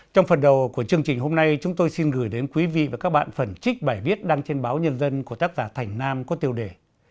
trong phần đầu của chương trình hôm nay chúng tôi xin gửi đến quý vị và các bạn phần trích bài viết đăng trên báo nhân dân của tác giả thành nam có tiêu đề